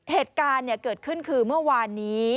เหตุการณ์เกิดขึ้นคือเมื่อวานนี้